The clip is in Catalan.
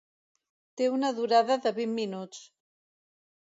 Té una durada de vint minuts.